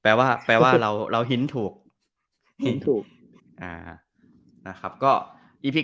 แปลว่าแปลว่าเราเราหินถูกหินถูกอ่านะครับก็อีพี